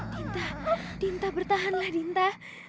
dinta dinta bertahanlah dinta